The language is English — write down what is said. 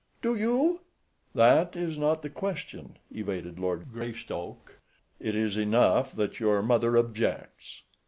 "Do you?" "That is not the question," evaded Lord Greystoke. "It is enough that your mother objects."